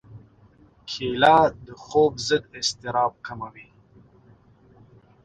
کېله د خوب ضد اضطراب کموي.